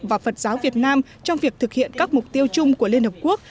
và phật giáo việt nam trong việc thực hiện các mục tiêu chung của liên hợp quốc